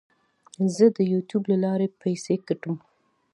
زه د یوټیوب له لارې پیسې ګټم.